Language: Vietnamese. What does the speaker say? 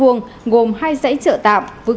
với quy mô bảy mươi san hàng tạm của hai mươi hồ